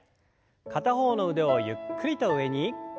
片方の腕をゆっくりと上に。